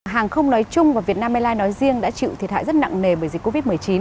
hàng không nói chung và việt nam airlines nói riêng đã chịu thiệt hại rất nặng nề bởi dịch covid một mươi chín